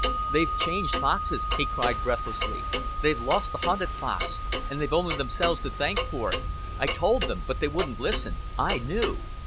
"They've changed foxes," he cried breathlessly. "They've lost the hunted fox, and they've only themselves to thank for it. I told them, and they wouldn't listen. I knew."